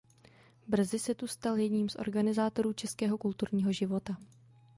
Brzy se tu stal jedním z organizátorů českého kulturního života.